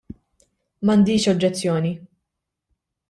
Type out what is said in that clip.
M'għandniex oġġezzjoni.